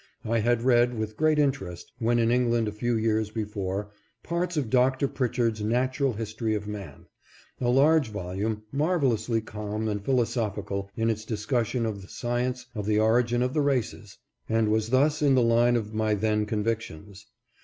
I had read, with great interest, when in England a few years before, parts of Doctor Pritchard's "Natural History of Man," a large volume marvelously calm and philosophical in its discussion of the science of the origin of the races, and was thus in the line of my then convictions.